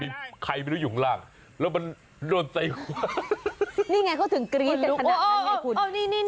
นี่ไงเขาถึงกรี๊ดแต่ขนาดนั้งไว้